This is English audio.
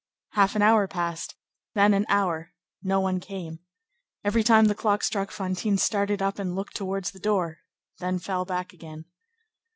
Half an hour passed, then an hour, no one came; every time the clock struck, Fantine started up and looked towards the door, then fell back again.